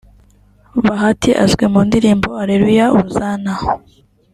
Bahati azwi mu ndirimbo Aleluya Hozana